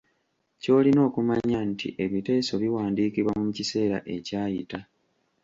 Ky’olina okumanya nti ebiteeso biwandiikibwa mu kiseera ekyayita.